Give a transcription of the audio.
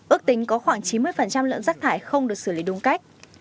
ước tính có khoảng chín mươi lượng rác thải không được xử lý đúng cách